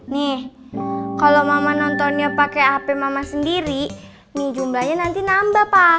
nih kalau mama nontonnya pakai hp mama sendiri nih jumlahnya nanti nambah pak